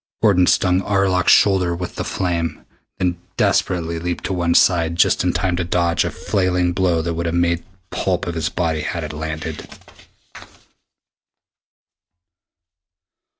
Gordon stung Arlok's shoulder with the flame, then desperately leaped to one side just in time to dodge a flailing blow that would have made pulp of his body had it landed.